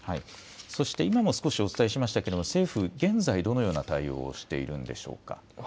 そして今も少しお伝えしましたけれども政府、現在、どのような対応をしているんでしょうか。